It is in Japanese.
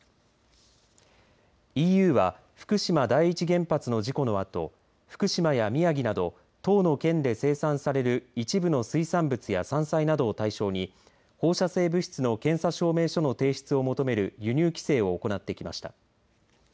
ＥＵは福島第一原発の事故のあと福島や宮城など１０の県で生産される一部の水産物や山菜などを対象に放射性物質の検査証明書の提出を求める輸入規制を行ってきました。